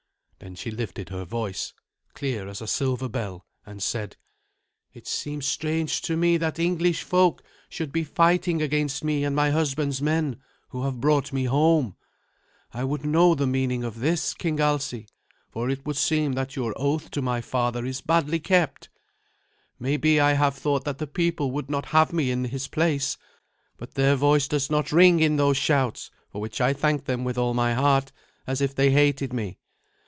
Then she lifted her voice, clear as a silver bell, and said, "It seems strange to me that English folk should be fighting against me and my husband's men who have brought me home. I would know the meaning of this, King Alsi, for it would seem that your oath to my father is badly kept. Maybe I have thought that the people would not have me in his place; but their voice does not ring in those shouts, for which I thank them with all my heart, as if they hated me.